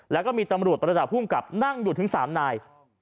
แล้วก็มีตำรวจประดับภูมิกับนั่งอยู่ถึง๓นาย